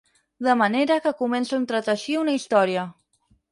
De manera que començo a entreteixir una història.